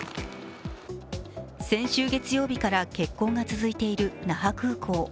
先週月曜日から欠航が続いている那覇空港。